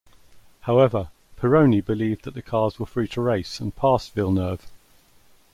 However, Pironi believed that the cars were free to race, and passed Villeneuve.